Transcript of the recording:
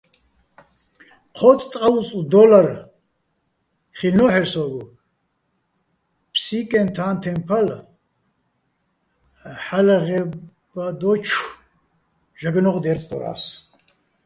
ჴო́წ ტყაუზტყ დო́ლარ ხილ'ნო́ჰ̦ერ სო́გო, "ფსიკეჼ-თანთეჼ ფალ" ჰ̦ალო̆ ღე́ბადოჩო̆ ჟაგნოღ დე́რწდორა́ს.